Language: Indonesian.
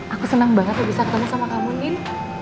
aku senang banget bisa ketemu sama kamu nih